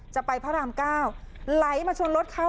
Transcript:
พระรามเก้าไหลมาชนรถเขา